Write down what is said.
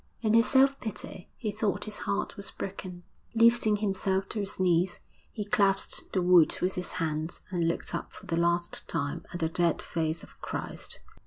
In his self pity he thought his heart was broken. Lifting himself to his knees, he clasped the wood with his hands and looked up for the last time at the dead face of Christ.